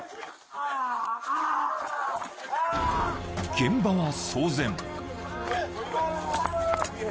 ［現場は騒然］